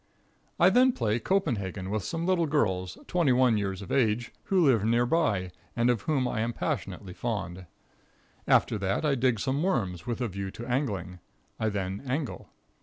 I then play Copenhagen with some little girls 21 years of age, who live near by, and of whom I am passionately fond. After that I dig some worms, with a view to angling. I then angle.